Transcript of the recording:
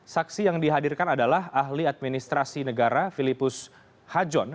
saksi yang dihadirkan adalah ahli administrasi negara filipus hajon